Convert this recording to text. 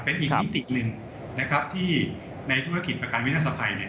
เป็นอีกนิติหนึ่งที่ในธุรกิจประกันวิทยาลัยสภัย